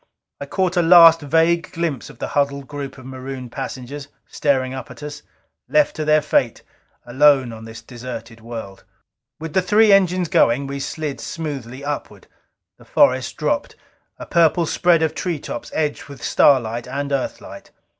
I caught a last vague glimpse of the huddled group of marooned passengers, staring up at us. Left to their fate, alone on this deserted world. With the three engines going, we slid smoothly upward. The forest dropped, a purple spread of treetops edged with starlight and Earthlight.